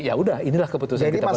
ya udah inilah keputusan kita bersama